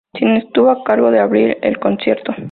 Sin estuvo a cargo de abrir el concierto.